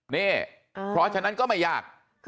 นี่เพราะฉะนั้นก็ไม่อยาก